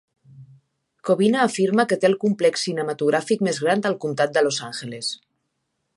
Covina afirma que té el complex cinematogràfic més gran del comtat de Los Àngeles.